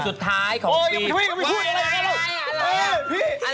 สระนุยาวไปด้วยในตัว